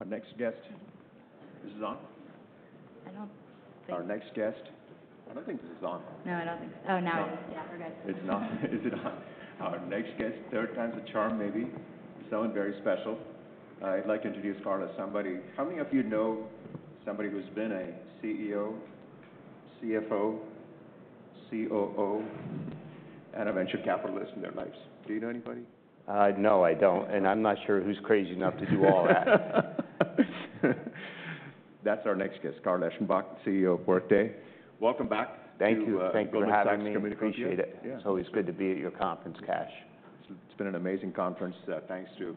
Our next guest. Is this on? I don't think- Our next guest. I don't think this is on. No, I don't think so. Oh, now it is. No. Yeah, we're good. It's on. Is it on? Our next guest, third time's a charm maybe, someone very special. I'd like to introduce Carl as somebody... How many of you know somebody who's been a CEO, CFO, COO, and a venture capitalist in their lives? Do you know anybody? No, I don't, and I'm not sure who's crazy enough to do all that. That's our next guest, Carl Eschenbach, CEO of Workday. Welcome back. Thank you. To, Goldman Sachs- Thank you for having me. Communacopia here. Appreciate it. Yeah. It's always good to be at your conference, Kash. It's been an amazing conference, thanks to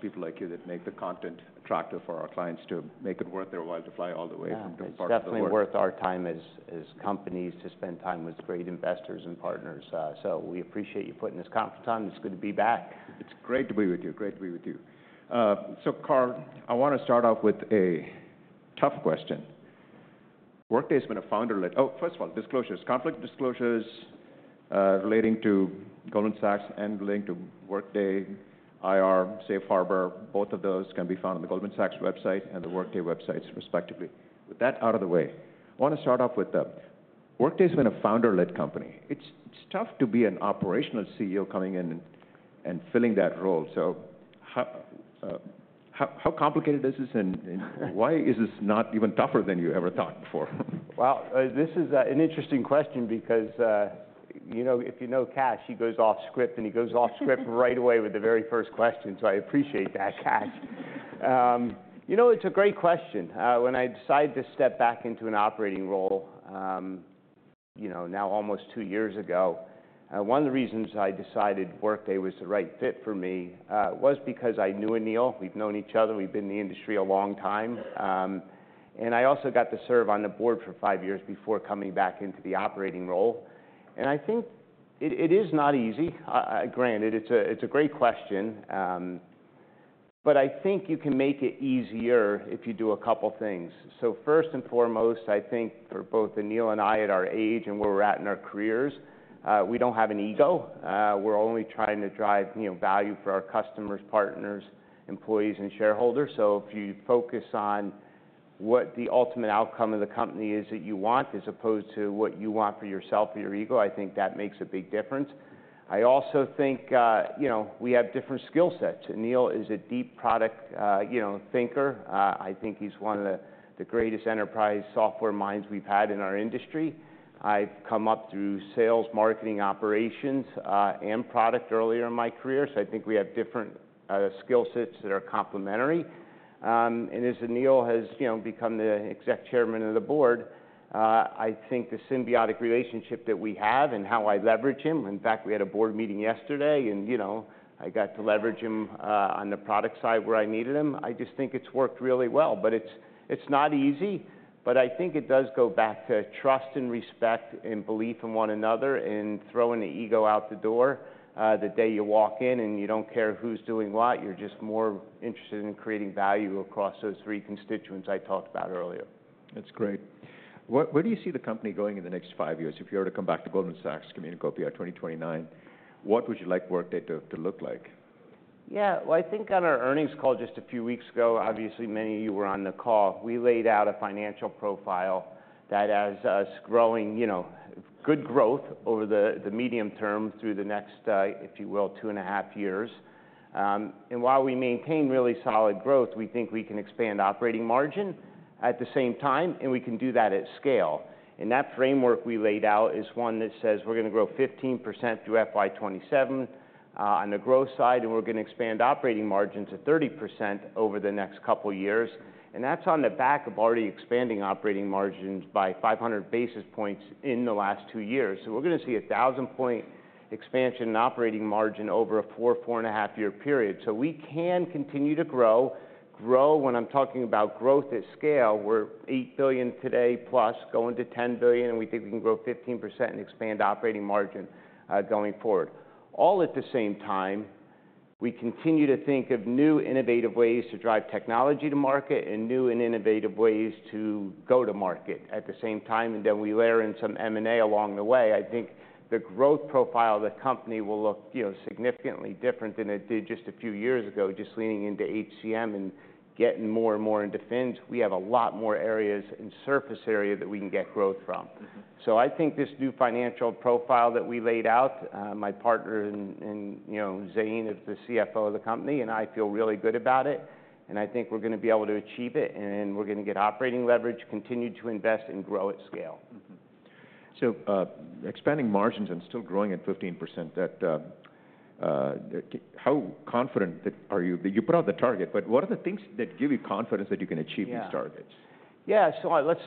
people like you that make the content attractive for our clients, to make it worth their while to fly all the way from different parts of the world. Yeah, it's definitely worth our time as companies to spend time with great investors and partners. So we appreciate you putting this conference on. It's good to be back. It's great to be with you. So Carl, I wanna start off with a tough question. First of all, disclosures. Conflict disclosures relating to Goldman Sachs and relating to Workday, IR, Safe Harbor, both of those can be found on the Goldman Sachs website and the Workday websites, respectively. With that out of the way, I wanna start off with Workday's been a founder-led company. It's tough to be an operational CEO coming in and filling that role. So how complicated is this, and why is this not even tougher than you ever thought before? Well, this is an interesting question because, you know, if you know Kash, he goes off script right away with the very first question, so I appreciate that, Kash. You know, it's a great question. When I decided to step back into an operating role, you know, now almost two years ago, one of the reasons I decided Workday was the right fit for me was because I knew Aneel. We've known each other. We've been in the industry a long time, and I also got to serve on the board for five years before coming back into the operating role, and I think it is not easy. Granted, it's a great question, but I think you can make it easier if you do a couple things. So first and foremost, I think for both Aneel and I at our age and where we're at in our careers, we don't have an ego. We're only trying to drive, you know, value for our customers, partners, employees, and shareholders. So if you focus on what the ultimate outcome of the company is that you want, as opposed to what you want for yourself or your ego, I think that makes a big difference. I also think, you know, we have different skill sets. Aneel is a deep product thinker. I think he's one of the greatest enterprise software minds we've had in our industry. I've come up through sales, marketing, operations, and product earlier in my career, so I think we have different skill sets that are complementary. And as Aneel has, you know, become the exec chairman of the board, I think the symbiotic relationship that we have and how I leverage him. In fact, we had a board meeting yesterday, and, you know, I got to leverage him on the product side where I needed him. I just think it's worked really well, but it's not easy. But I think it does go back to trust and respect and belief in one another, and throwing the ego out the door the day you walk in, and you don't care who's doing what. You're just more interested in creating value across those three constituents I talked about earlier. That's great. Where do you see the company going in the next five years? If you were to come back to Goldman Sachs Communacopia 2029, what would you like Workday to look like? Yeah. Well, I think on our earnings call just a few weeks ago, obviously, many of you were on the call. We laid out a financial profile that has us growing, you know, good growth over the medium term through the next, if you will, two and a half years. And while we maintain really solid growth, we think we can expand operating margin at the same time, and we can do that at scale. And that framework we laid out is one that says we're gonna grow 15% through FY 2027, on the growth side, and we're gonna expand operating margin to 30% over the next couple years. And that's on the back of already expanding operating margins by five hundred basis points in the last two years. So we're gonna see a thousand-point expansion in operating margin over a four, four and a half-year period. So we can continue to grow. Grow, when I'm talking about growth at scale, we're $8 billion today plus, going to $10 billion, and we think we can grow 15% and expand operating margin going forward. All at the same time, we continue to think of new, innovative ways to drive technology to market and new and innovative ways to go to market at the same time, and then we layer in some M&A along the way. I think the growth profile of the company will look, you know, significantly different than it did just a few years ago, just leaning into HCM and getting more and more into Fin. We have a lot more areas and surface area that we can get growth from. Mm-hmm. So I think this new financial profile that we laid out, my partner and, you know, Zane, is the CFO of the company, and I feel really good about it, and I think we're gonna be able to achieve it, and we're gonna get operating leverage, continue to invest, and grow at scale. Mm-hmm. So, expanding margins and still growing at 15%, that... How confident are you? You put out the target, but what are the things that give you confidence that you can achieve these targets? Yeah. Yeah, so let's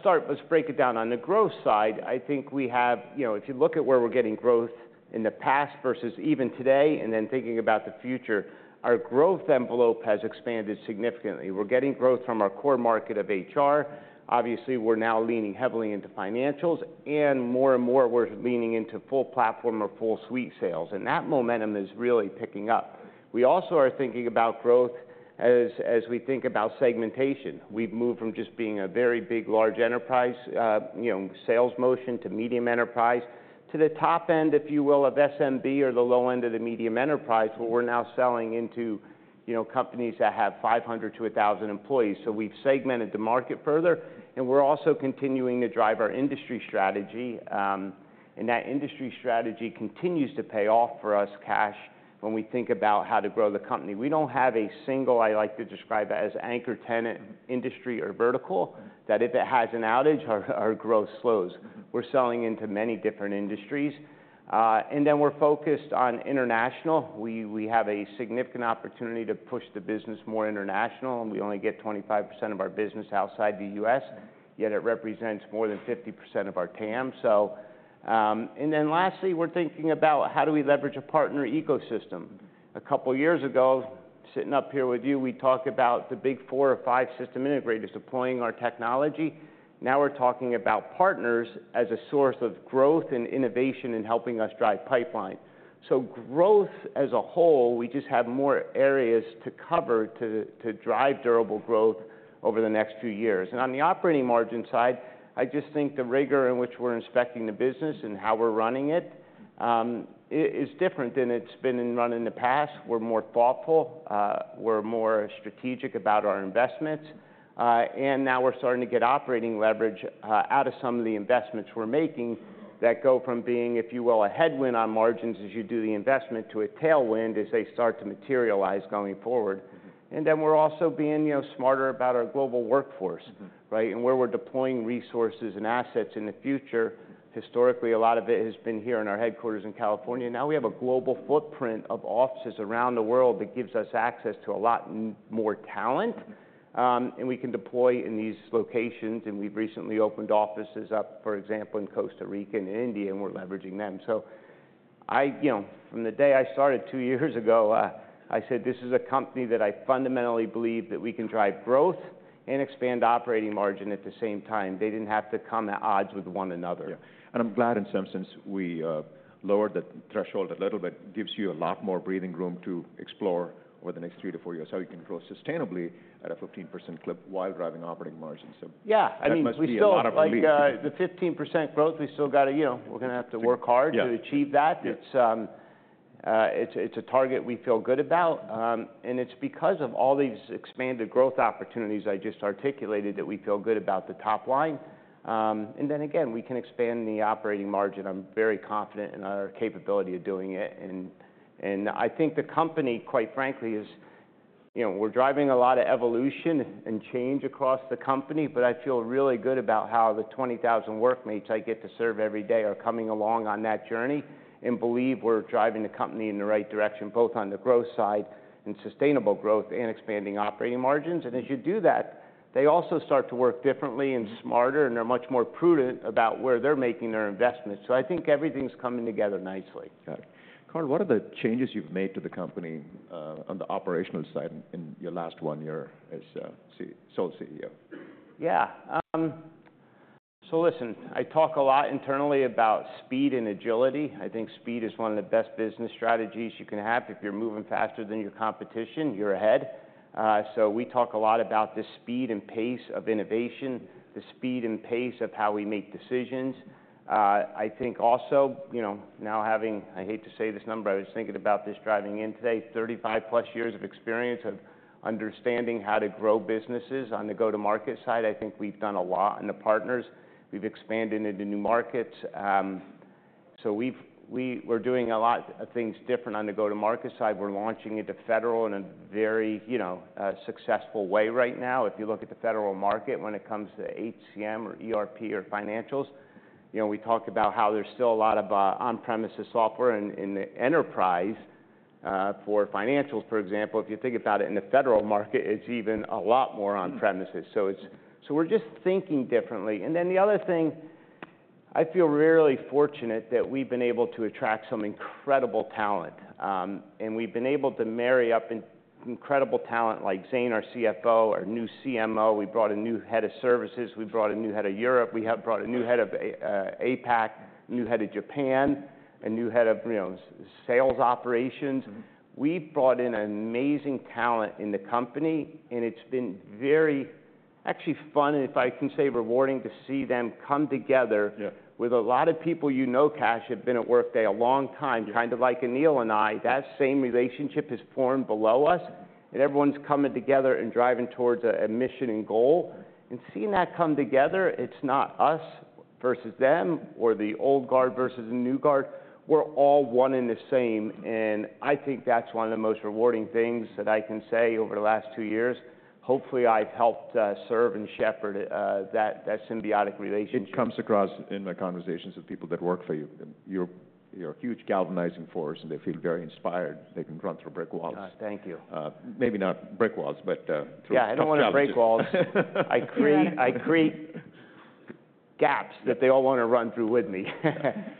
break it down. On the growth side, I think we have... You know, if you look at where we're getting growth in the past versus even today, and then thinking about the future, our growth envelope has expanded significantly. We're getting growth from our core market of HR. Obviously, we're now leaning heavily into financials, and more and more, we're leaning into full platform or full suite sales, and that momentum is really picking up... We also are thinking about growth as we think about segmentation. We've moved from just being a very big, large enterprise, you know, sales motion to medium enterprise, to the top end, if you will, of SMB or the low end of the medium enterprise, where we're now selling into, you know, companies that have 500-1,000 employees. So we've segmented the market further, and we're also continuing to drive our industry strategy. And that industry strategy continues to pay off for us, Kash, when we think about how to grow the company. We don't have a single, I like to describe it, as anchor tenant, industry, or vertical, that if it has an outage, our growth slows. We're selling into many different industries, and then we're focused on international. We have a significant opportunity to push the business more international, and we only get 25% of our business outside the U.S., yet it represents more than 50% of our TAM. And then lastly, we're thinking about how do we leverage a partner ecosystem? A couple of years ago, sitting up here with you, we talked about the big four or five system integrators deploying our technology. Now we're talking about partners as a source of growth and innovation in helping us drive pipeline. So growth as a whole, we just have more areas to cover to drive durable growth over the next few years. And on the operating margin side, I just think the rigor in which we're inspecting the business and how we're running it, it is different than it's been run in the past. We're more thoughtful, we're more strategic about our investments, and now we're starting to get operating leverage out of some of the investments we're making that go from being, if you will, a headwind on margins as you do the investment, to a tailwind as they start to materialize going forward. And then we're also being, you know, smarter about our global workforce. Mm-hmm Right? And where we're deploying resources and assets in the future. Historically, a lot of it has been here in our headquarters in California. Now we have a global footprint of offices around the world that gives us access to a lot more talent, and we can deploy in these locations, and we've recently opened offices up, for example, in Costa Rica and India, and we're leveraging them. So I, you know, from the day I started two years ago, I said, "This is a company that I fundamentally believe that we can drive growth and expand operating margin at the same time." They didn't have to come at odds with one another. Yeah. And I'm glad in some sense we lowered the threshold a little bit. Gives you a lot more breathing room to explore over the next three to four years how you can grow sustainably at a 15% clip while driving operating margins, so- Yeah, I mean, we still- That must be a lot of relief. Like, the 15% growth, we still got to, you know, we're gonna have to work hard- Yeah To achieve that. Yeah. It's a target we feel good about, and it's because of all these expanded growth opportunities I just articulated, that we feel good about the top line. And then again, we can expand the operating margin. I'm very confident in our capability of doing it. And I think the company, quite frankly, is. You know, we're driving a lot of evolution and change across the company, but I feel really good about how the 20,000 workmates I get to serve every day are coming along on that journey, and believe we're driving the company in the right direction, both on the growth side, and sustainable growth, and expanding operating margins. And as you do that, they also start to work differently and smarter, and they're much more prudent about where they're making their investments. So I think everything's coming together nicely. Got it. Carl, what are the changes you've made to the company, on the operational side in your last one year as sole CEO? Yeah. So listen, I talk a lot internally about speed and agility. I think speed is one of the best business strategies you can have. If you're moving faster than your competition, you're ahead. So we talk a lot about the speed and pace of innovation, the speed and pace of how we make decisions. I think also, you know, now having... I hate to say this number, I was thinking about this driving in today, thirty-five plus years of experience of understanding how to grow businesses. On the go-to-market side, I think we've done a lot, and the partners, we've expanded into new markets. So we're doing a lot of things different on the go-to-market side. We're launching into federal in a very, you know, successful way right now. If you look at the federal market when it comes to HCM or ERP or financials, you know, we talked about how there's still a lot of on-premises software in the enterprise for financials, for example. If you think about it, in the federal market, it's even a lot more on-premises. Mm-hmm. We're just thinking differently. And then the other thing, I feel really fortunate that we've been able to attract some incredible talent, and we've been able to marry up incredible talent like Zane, our CFO, our new CMO. We brought a new head of services. We brought a new head of Europe. We have brought a new head of APAC, a new head of Japan, a new head of, you know, sales operations. Mm. We brought in amazing talent in the company, and it's been very, actually fun, and if I can say, rewarding, to see them come together- Yeah With a lot of people you know, Kash, have been at Workday a long time, kind of like Aneel and I. That same relationship has formed below us, and everyone's coming together and driving towards a mission and goal. And seeing that come together, it's not us versus them or the old guard versus the new guard. We're all one and the same, and I think that's one of the most rewarding things that I can say over the last two years. Hopefully, I've helped serve and shepherd that symbiotic relationship. It comes across in my conversations with people that work for you, that you're a huge galvanizing force, and they feel very inspired. They can run through brick walls. Thank you. Maybe not brick walls, but through- Yeah, I don't want to break walls. I create, I create gaps that they all want to run through with me.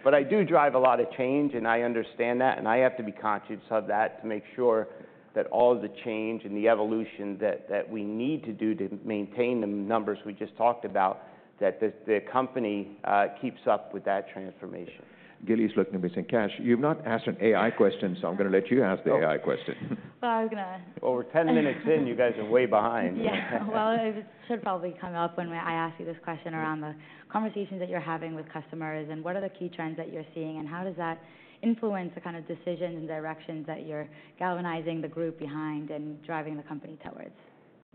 But I do drive a lot of change, and I understand that, and I have to be conscious of that to make sure that all the change and the evolution that, that we need to do to maintain the numbers we just talked about, that the, the company keeps up with that transformation. Gil's looking at me saying, "Kash, you've not asked an AI question, so I'm gonna let you ask the AI question. Well, I was gonna- Over ten minutes in, you guys are way behind. Yeah. Well, it should probably come up when I ask you this question around the conversations that you're having with customers, and what are the key trends that you're seeing, and how does that influence the kind of decisions and directions that you're galvanizing the group behind and driving the company towards?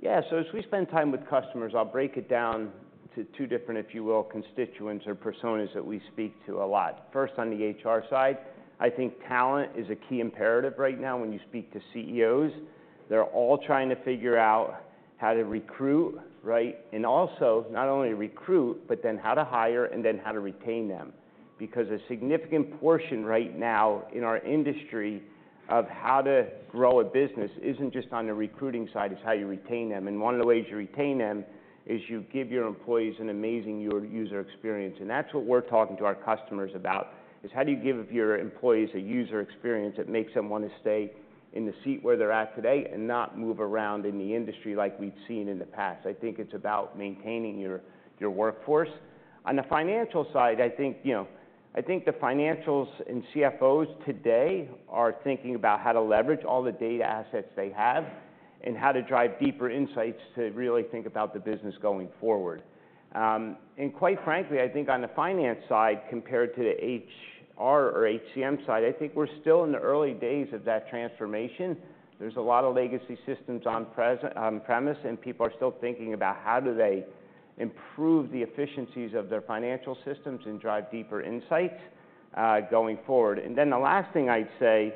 Yeah, so as we spend time with customers, I'll break it down to two different, if you will, constituents or personas that we speak to a lot. First, on the HR side, I think talent is a key imperative right now when you speak to CEOs. They're all trying to figure out how to recruit, right? And also, not only recruit, but then how to hire, and then how to retain them. Because a significant portion right now in our industry of how to grow a business isn't just on the recruiting side, it's how you retain them. And one of the ways you retain them is you give your employees an amazing user experience. That's what we're talking to our customers about, is how do you give your employees a user experience that makes them want to stay in the seat where they're at today and not move around in the industry like we've seen in the past? I think it's about maintaining your workforce. On the financial side, I think, you know, I think the financials and CFOs today are thinking about how to leverage all the data assets they have, and how to drive deeper insights to really think about the business going forward. And quite frankly, I think on the finance side, compared to the HR or HCM side, I think we're still in the early days of that transformation. There's a lot of legacy systems on-premises, and people are still thinking about how do they improve the efficiencies of their financial systems and drive deeper insights going forward. And then the last thing I'd say: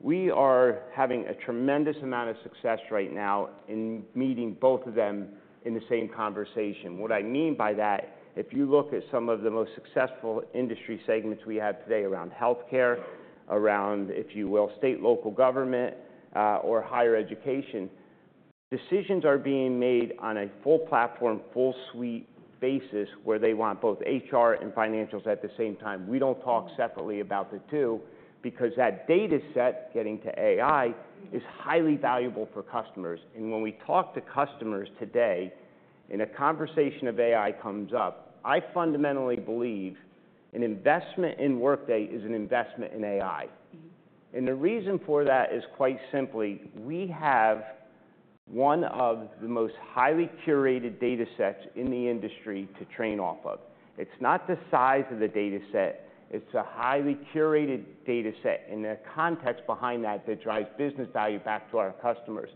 we are having a tremendous amount of success right now in meeting both of them in the same conversation. What I mean by that, if you look at some of the most successful industry segments we have today around healthcare, around, if you will, state and local government, or higher education, decisions are being made on a full platform, full suite basis, where they want both HR and financials at the same time. We don't talk separately about the two, because that data set, getting to AI, is highly valuable for customers. When we talk to customers today, and a conversation of AI comes up, I fundamentally believe an investment in Workday is an investment in AI. Mm-hmm. The reason for that is, quite simply, we have one of the most highly curated datasets in the industry to train off of. It's not the size of the dataset, it's a highly curated dataset, and the context behind that that drives business value back to our customers.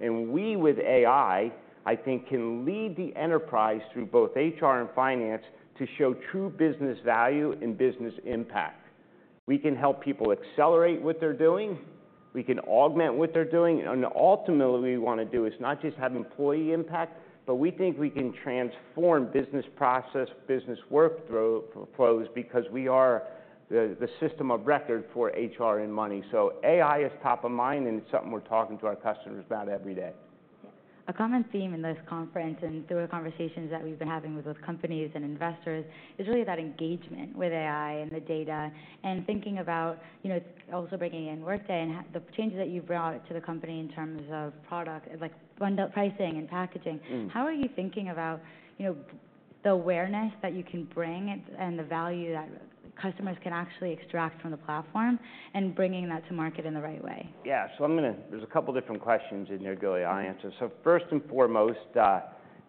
We, with AI, I think, can lead the enterprise through both HR and finance to show true business value and business impact. We can help people accelerate what they're doing, we can augment what they're doing, and ultimately, what we want to do is not just have employee impact, but we think we can transform business processes, business workflows, because we are the system of record for HR and finance. AI is top of mind, and it's something we're talking to our customers about every day. A common theme in this conference, and through the conversations that we've been having with both companies and investors, is really that engagement with AI and the data, and thinking about, you know, also bringing in Workday, and the changes that you've brought to the company in terms of product, like bundled pricing and packaging. Mm. How are you thinking about, you know, the awareness that you can bring and the value that customers can actually extract from the platform, and bringing that to market in the right way? Yeah. So there are a couple different questions in there, Gili, I answered. So first and foremost,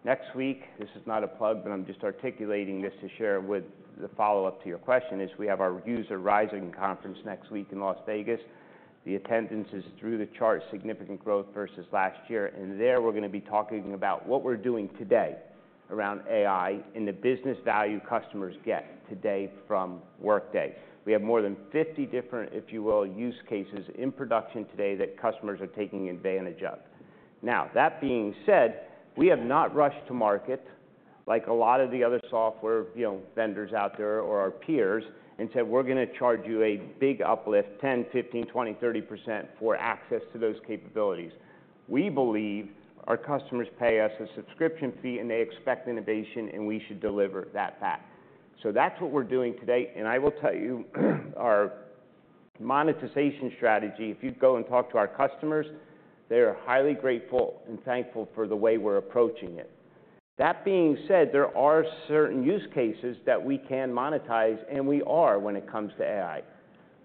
next week, this is not a plug, but I'm just articulating this to share with the follow-up to your question, is we have our Workday Rising conference next week in Las Vegas. The attendance is off the charts, significant growth versus last year. And there, we're gonna be talking about what we're doing today around AI, and the business value customers get today from Workday. We have more than 50 different, if you will, use cases in production today, that customers are taking advantage of. Now, that being said, we have not rushed to market like a lot of the other software, you know, vendors out there or our peers, and said, "We're gonna charge you a big uplift, 10%, 15%, 20%, 30%, for access to those capabilities." We believe our customers pay us a subscription fee, and they expect innovation, and we should deliver that back. So that's what we're doing today. And I will tell you, our monetization strategy, if you go and talk to our customers, they're highly grateful and thankful for the way we're approaching it. That being said, there are certain use cases that we can monetize, and we are, when it comes to AI,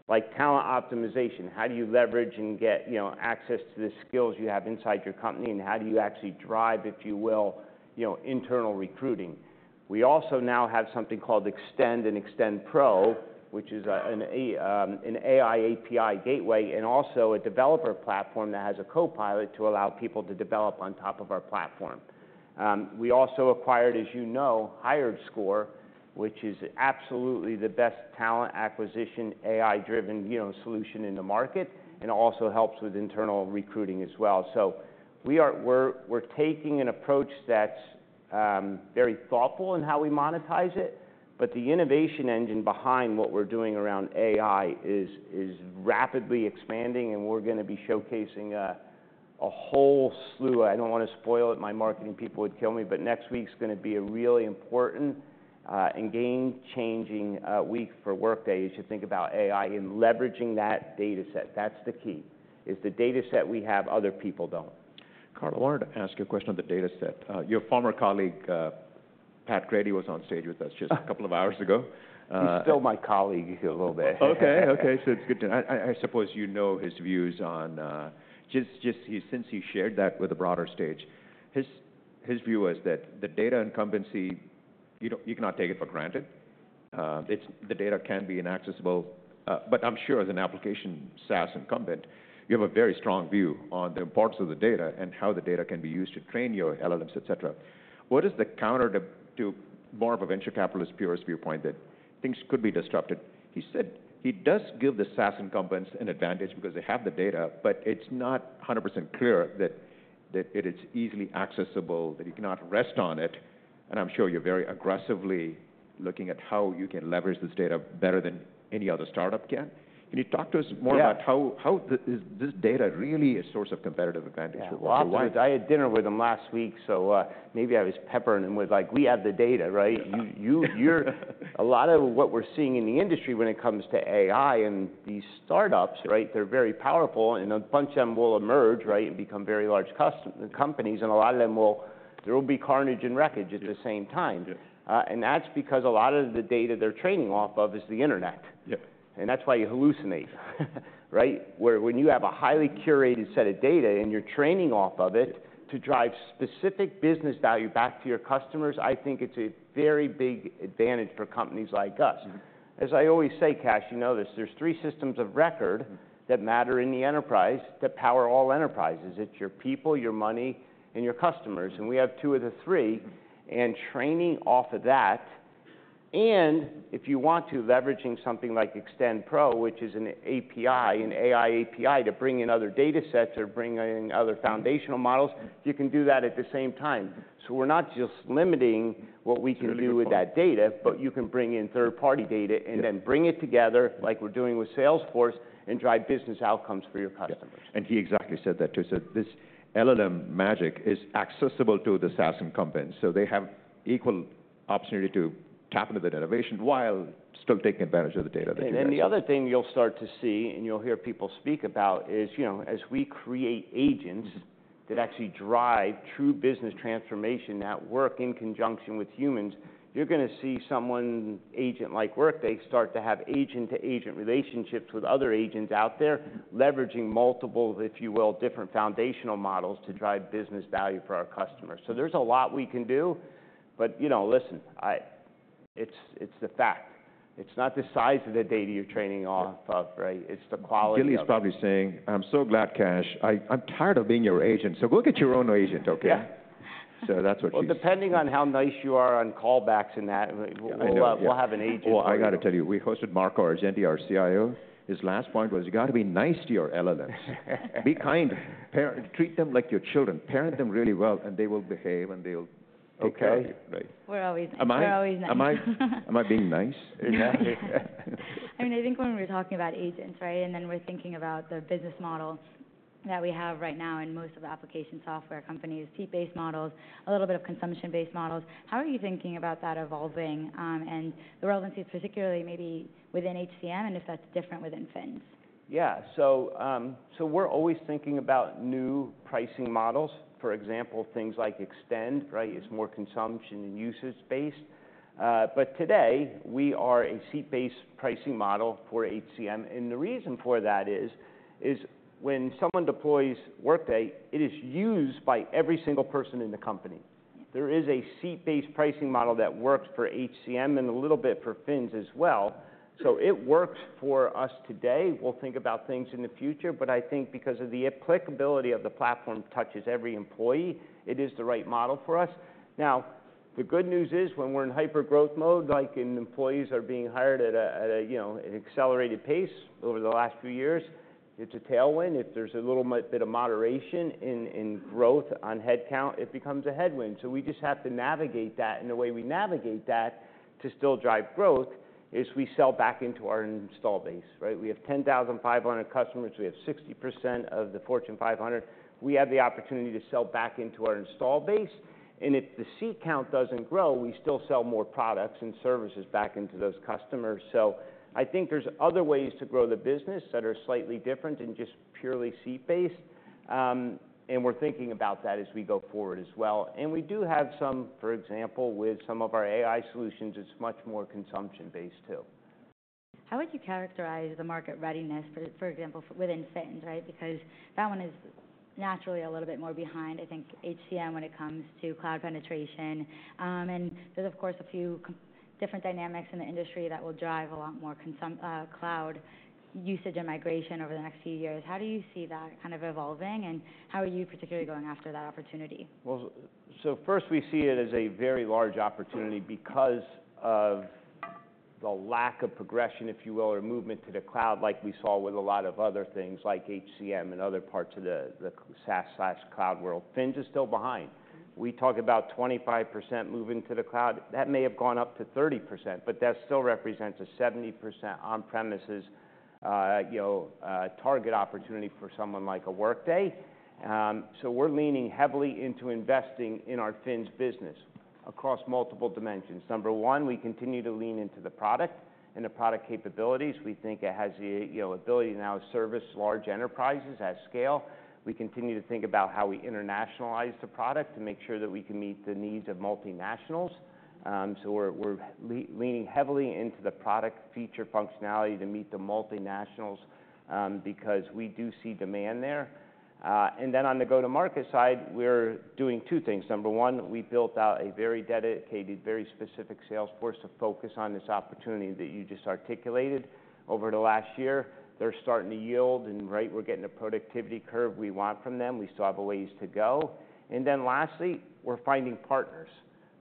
like talent optimization. How do you leverage and get, you know, access to the skills you have inside your company? And how do you actually drive, if you will, you know, internal recruiting? We also now have something called Extend and Extend Pro, which is an AI API gateway, and also a developer platform that has a copilot to allow people to develop on top of our platform. We also acquired, as you know, HiredScore, which is absolutely the best talent acquisition, AI-driven, you know, solution in the market, and also helps with internal recruiting as well. So we're taking an approach that's very thoughtful in how we monetize it, but the innovation engine behind what we're doing around AI is rapidly expanding, and we're gonna be showcasing a whole slew. I don't want to spoil it, my marketing people would kill me, but next week's gonna be a really important and game-changing week for Workday as you think about AI and leveraging that dataset. That's the key, is the dataset we have, other people don't. Carl, I wanted to ask you a question on the data set. Your former colleague, Pat Grady, was on stage with us just a couple of hours ago. He's still my colleague, a little bit. So it's good. I suppose you know his views on just since he shared that with the broader stage, his view was that the data incumbency you cannot take it for granted. It's the data can be inaccessible. But I'm sure as an application SaaS incumbent, you have a very strong view on the importance of the data and how the data can be used to train your LLMs, et cetera. What is the counter to more of a venture capitalist's viewpoint, that things could be disrupted? He said he does give the SaaS incumbents an advantage because they have the data, but it's not 100% clear that it is easily accessible, that you cannot rest on it. And I'm sure you're very aggressively looking at how you can leverage this data better than any other startup can. Can you talk to us more about? Yeah How, how is this data really a source of competitive advantage for you? Yeah. Obviously, I had dinner with him last week, so, maybe I was peppering him with, like, "We have the data, right?" A lot of what we're seeing in the industry when it comes to AI and these startups, right, they're very powerful, and a bunch of them will emerge, right, and become very large companies, and a lot of them will there will be carnage and wreckage at the same time. Yeah. And that's because a lot of the data they're training off of is the internet. Yeah. And that's why you hallucinate, right? Where, when you have a highly curated set of data and you're training off of it- Yeah To drive specific business value back to your customers, I think it's a very big advantage for companies like us. Mm-hmm. As I always say, Kash, you know this, there's three systems of record that matter in the enterprise, that power all enterprises. It's your people, your money, and your customers, and we have two of the three. And building off of that, and if you want to, leveraging something like Extend Pro, which is an API, an AI API, to bring in other data sets or bring in other foundational models, you can do that at the same time. So we're not just limiting what we can do with that data- Really important. But you can bring in third-party data- Yeah And then bring it together, like we're doing with Salesforce, and drive business outcomes for your customers. Yeah, and he exactly said that, too. He said, "This LLM magic is accessible to the SaaS incumbents, so they have equal opportunity to tap into the innovation while still taking advantage of the data that you guys- And then the other thing you'll start to see, and you'll hear people speak about, is, you know, as we create agents that actually drive true business transformation, that work in conjunction with humans, you're gonna see someone's agent-like Workday start to have agent-to-agent relationships with other agents out there, leveraging multiple, if you will, different foundational models to drive business value for our customers. So there's a lot we can do, but, you know, listen, I... It's, it's a fact. It's not the size of the data you're training off of, right? Yeah. It's the quality of it. Gili's probably saying, "I'm so glad, Kash. I'm tired of being your agent, so go get your own agent, okay? Yeah. So that's what she's- Well, depending on how nice you are on callbacks and that- I know, yeah. We'll have an agent for you. Oh, I got to tell you, we hosted Marco Argenti, our CIO. His last point was, "You got to be nice to your LLMs." "Be kind. Parent-treat them like your children. Parent them really well, and they will behave, and they will take care of you. Okay. Right. We're always nice. Am I- We're always nice. Am I being nice enough? I mean, I think when we're talking about agents, right? And then we're thinking about the business model that we have right now in most of the application software companies, seat-based models, a little bit of consumption-based models. How are you thinking about that evolving, and the relevancy, particularly maybe within HCM, and if that's different within Fins? Yeah. So, so we're always thinking about new pricing models, for example, things like Extend, right? It's more consumption and usage-based. But today, we are a seat-based pricing model for HCM, and the reason for that is, when someone deploys Workday, it is used by every single person in the company. There is a seat-based pricing model that works for HCM and a little bit for Fins as well. So it works for us today. We'll think about things in the future, but I think because of the applicability of the platform touches every employee, it is the right model for us. Now, the good news is, when we're in hyper-growth mode, like, and employees are being hired at a, you know, an accelerated pace over the last few years, it's a tailwind. If there's a little bit of moderation in growth on head count, it becomes a headwind. So we just have to navigate that, and the way we navigate that, to still drive growth, is we sell back into our install base, right? We have 10,500 customers. We have 60% of the Fortune 500. We have the opportunity to sell back into our install base, and if the seat count doesn't grow, we still sell more products and services back into those customers. So I think there's other ways to grow the business that are slightly different than just purely seat-based. And we're thinking about that as we go forward as well. And we do have some, for example, with some of our AI solutions, it's much more consumption-based, too. How would you characterize the market readiness for, for example, within Fins, right? Because that one is naturally a little bit more behind, I think, HCM when it comes to cloud penetration, and there's, of course, a few different dynamics in the industry that will drive a lot more cloud usage and migration over the next few years. How do you see that kind of evolving, and how are you particularly going after that opportunity? First, we see it as a very large opportunity because of the lack of progression, if you will, or movement to the cloud like we saw with a lot of other things, like HCM and other parts of the SaaS/cloud world. Fins is still behind. Mm-hmm. We talk about 25% moving to the cloud. That may have gone up to 30%, but that still represents a 70% on-premises, you know, target opportunity for someone like a Workday. So we're leaning heavily into investing in our Fins business across multiple dimensions. Number one, we continue to lean into the product and the product capabilities. We think it has the, you know, ability to now service large enterprises at scale. We continue to think about how we internationalize the product to make sure that we can meet the needs of multinationals, so we're leaning heavily into the product feature functionality to meet the multinationals, because we do see demand there, and then on the go-to-market side, we're doing two things. Number one, we built out a very dedicated, very specific sales force to focus on this opportunity that you just articulated. Over the last year, they're starting to yield, and right, we're getting the productivity curve we want from them. We still have a ways to go. And then lastly, we're finding partners.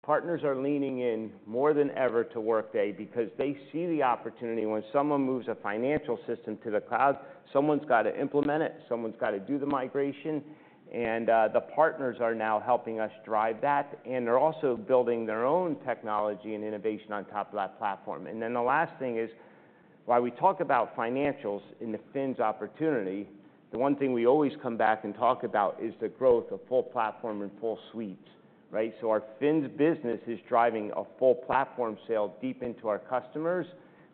Partners are leaning in more than ever to Workday because they see the opportunity when someone moves a financial system to the cloud, someone's got to implement it, someone's got to do the migration, and the partners are now helping us drive that, and they're also building their own technology and innovation on top of that platform. And then the last thing is, while we talk about financials in the Fins opportunity, the one thing we always come back and talk about is the growth of full platform and full suites, right? So our Fins business is driving a full platform sale deep into our customers.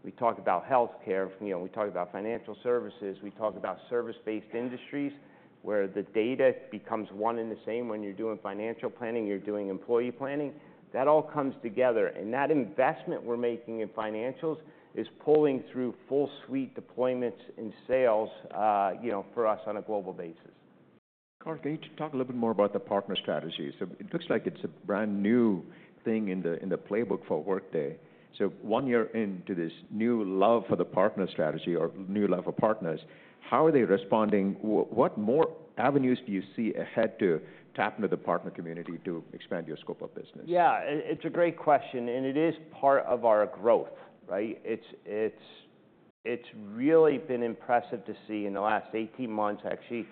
We talk about healthcare, you know, we talk about financial services, we talk about service-based industries, where the data becomes one and the same. When you're doing financial planning, you're doing employee planning. That all comes together, and that investment we're making in financials is pulling through full suite deployments and sales, you know, for us on a global basis. Carl, can you talk a little bit more about the partner strategy? So it looks like it's a brand-new thing in the playbook for Workday. So one year into this new love for the partner strategy or new love for partners, how are they responding? What more avenues do you see ahead to tap into the partner community to expand your scope of business? Yeah, it's a great question, and it is part of our growth, right? It's really been impressive to see in the last 18 months. Actually,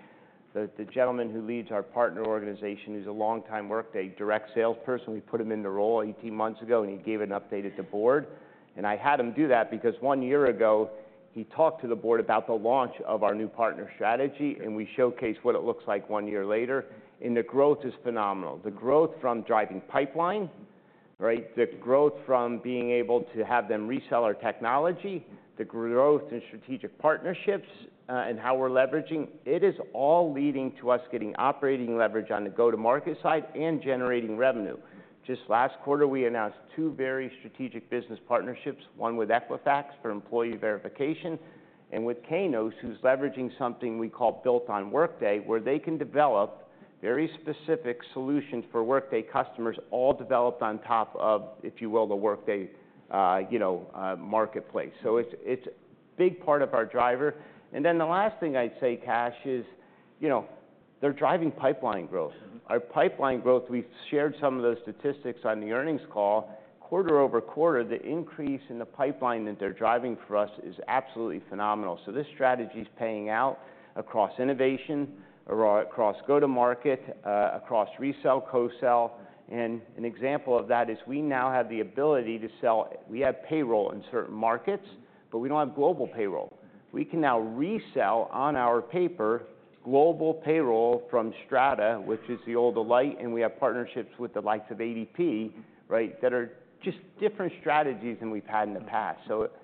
the gentleman who leads our partner organization, who's a longtime Workday direct salesperson, we put him in the role 18 months ago, and he gave an update at the board, and I had him do that because one year ago, he talked to the board about the launch of our new partner strategy, and we showcased what it looks like one year later, and the growth is phenomenal. The growth from driving pipeline, right? The growth from being able to have them resell our technology, the growth in strategic partnerships, and how we're leveraging it is all leading to us getting operating leverage on the go-to-market side and generating revenue. Just last quarter, we announced two very strategic business partnerships, one with Equifax for employee verification, and with Kainos, who's leveraging something we call Built on Workday, where they can develop very specific solutions for Workday customers, all developed on top of, if you will, the Workday, you know, marketplace. So it's, it's a big part of our driver. And then the last thing I'd say, Kash, is, you know, they're driving pipeline growth. Mm-hmm. Our pipeline growth, we've shared some of those statistics on the earnings call. Quarter over quarter, the increase in the pipeline that they're driving for us is absolutely phenomenal. So this strategy is paying off across innovation, across go-to-market, across resell, co-sell. And an example of that is we now have the ability to sell. We have payroll in certain markets, but we don't have global payroll. We can now resell on our platform, global payroll from Strada, which is the old Alight, and we have partnerships with the likes of ADP, right? That are just different strategies than we've had in the past. Mm-hmm.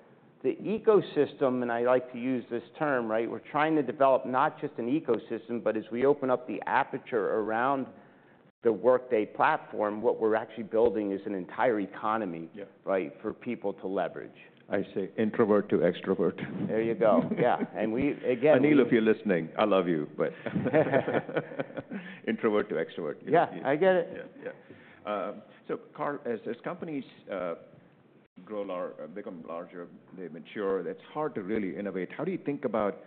So the ecosystem, and I like to use this term, right? We're trying to develop not just an ecosystem, but as we open up the aperture around the Workday platform, what we're actually building is an entire economy- Yeah Right, for people to leverage. I say, introvert to extrovert. There you go. Yeah. And we, again- Aneel, if you're listening, I love you, but introvert to extrovert. Yeah, I get it. Yeah. Yeah. So Carl, as companies grow, become larger, they mature, it's hard to really innovate. How do you think about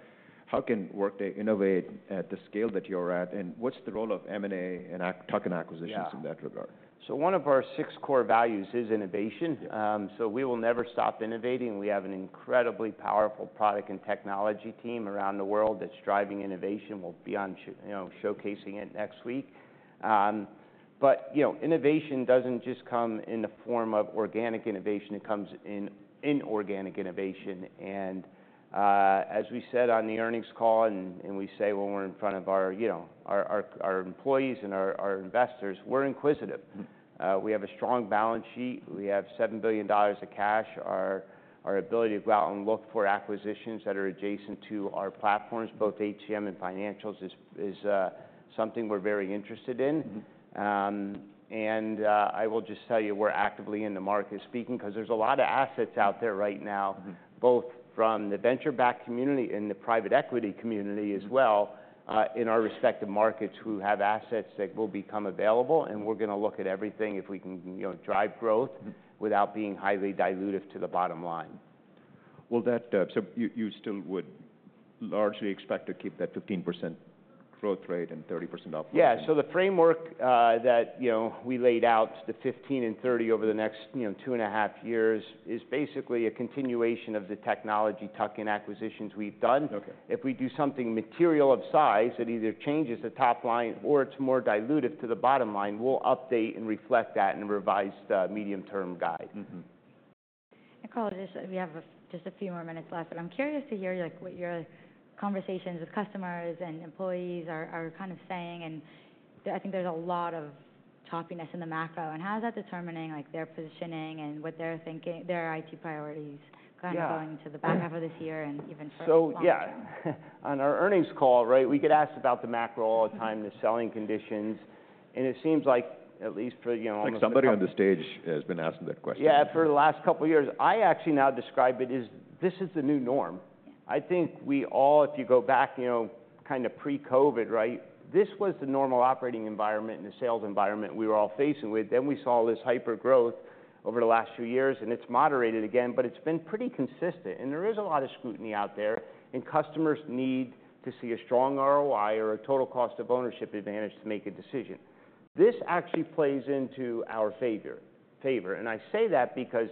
how can Workday innovate at the scale that you're at, and what's the role of M&A and tuck-in acquisitions? Yeah In that regard? One of our six core values is innovation. Yeah. So we will never stop innovating. We have an incredibly powerful product and technology team around the world that's driving innovation. We'll be, you know, showcasing it next week. But, you know, innovation doesn't just come in the form of organic innovation, it comes in inorganic innovation. And as we said on the earnings call, and we say when we're in front of our, you know, our employees and our investors, we're acquisitive. Mm. We have a strong balance sheet. We have $7 billion of cash. Our ability to go out and look for acquisitions that are adjacent to our platforms, both HCM and Financials, is something we're very interested in. Mm. I will just tell you, we're actively in the market speaking, 'cause there's a lot of assets out there right now- Mm Both from the venture-backed community and the private equity community as well, in our respective markets, who have assets that will become available, and we're gonna look at everything if we can, you know, drive growth. Mm Without being highly dilutive to the bottom line. Will that... So you still would largely expect to keep that 15% growth rate and 30% up? Yeah, so the framework, that, you know, we laid out, the 15 and 30 over the next, you know, two and a half years, is basically a continuation of the technology tuck-in acquisitions we've done. Okay. If we do something material of size, it either changes the top line or it's more dilutive to the bottom line. We'll update and reflect that in a revised, medium-term guide. Mm-hmm. Carl, we have just a few more minutes left, but I'm curious to hear, like, what your conversations with customers and employees are kind of saying, and I think there's a lot of choppiness in the macro. How is that determining, like, their positioning and what they're thinking, their IT priorities- Yeah Kind of going into the back half of this year and even for the long term? So yeah, on our earnings call, right, we get asked about the macro all the time, the selling conditions, and it seems like, at least for, you know- Like, somebody on the stage has been asking that question. Yeah, for the last couple of years. I actually now describe it as, this is the new norm. I think we all, if you go back, you know, kind of pre-COVID, right? This was the normal operating environment and the sales environment we were all facing with. Then we saw this hyper-growth over the last few years, and it's moderated again, but it's been pretty consistent. And there is a lot of scrutiny out there, and customers need to see a strong ROI or a total cost of ownership advantage to make a decision. This actually plays into our favor, and I say that because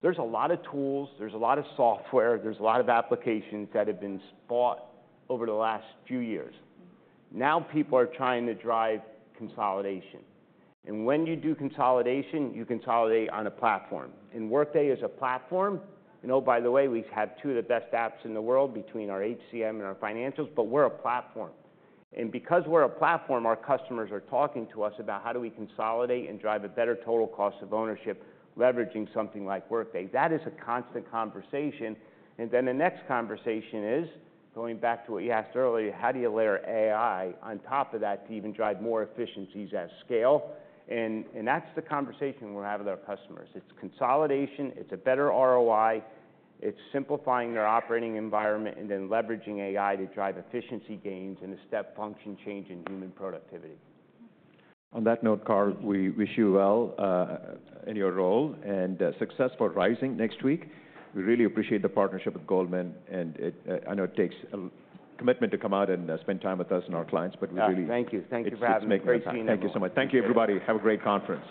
there's a lot of tools, there's a lot of software, there's a lot of applications that have been bought over the last few years. Mm. Now, people are trying to drive consolidation, and when you do consolidation, you consolidate on a platform, and Workday is a platform. You know, by the way, we have two of the best apps in the world between our HCM and our financials, but we're a platform, and because we're a platform, our customers are talking to us about, how do we consolidate and drive a better total cost of ownership, leveraging something like Workday? That is a constant conversation, and then the next conversation is, going back to what you asked earlier: How do you layer AI on top of that to even drive more efficiencies at scale, and that's the conversation we're having with our customers. It's consolidation, it's a better ROI, it's simplifying their operating environment, and then leveraging AI to drive efficiency gains and a step function change in human productivity. On that note, Carl, we wish you well in your role, and success for Rising next week. We really appreciate the partnership with Goldman, and it, I know it takes a commitment to come out and spend time with us and our clients, but we really- Ah, thank you. Thank you for having me. It's make- Great team. Thank you so much. Thank you, everybody. Have a great conference.